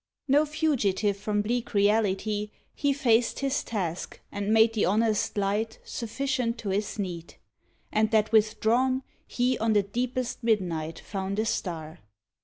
No fugitive from bleak reality, He faced his task, and made the honest light Sufficient to his need, and that withdrawn, He on the deepest midnight found a star.